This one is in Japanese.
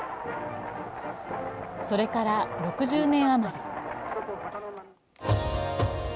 それから６０年余り。